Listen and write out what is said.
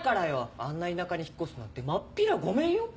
あんな田舎に引っ越すなんてまっぴらごめんよ。